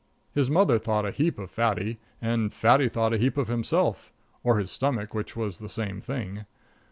His mother thought a heap of Fatty, and Fatty thought a heap of himself, or his stomach, which was the same thing.